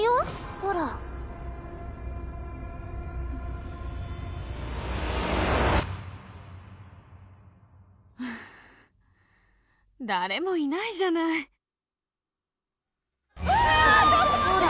ほら誰もいないじゃないほら